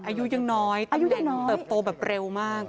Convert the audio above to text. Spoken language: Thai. อายุยังน้อยอายุเติบโตแบบเร็วมาก